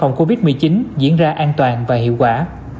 phòng covid một mươi chín diễn ra an toàn và hiệu quả